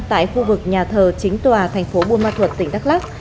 tại khu vực nhà thờ chính tòa tp buôn ma thuật tỉnh đắk lắk